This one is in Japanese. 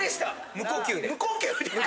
無呼吸で。